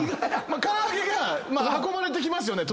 唐揚げが運ばれてきますよね